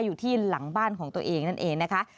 อยู่ที่หลังบ้านของตัวเองนั่นเองนะคะ